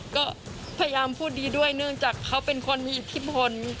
ก็พยายามพูดดีด้วยเนื่องจากเขาเป็นคนมีอิทธิพล